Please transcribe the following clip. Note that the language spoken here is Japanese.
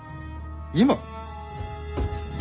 今？